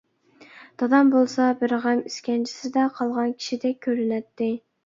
دادام بولسا بىر غەم ئىسكەنجىسىدە قالغان كىشىدەك كۆرۈنەتتى.